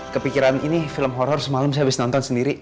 kepikiran ini film horror semalam saya habis nonton sendiri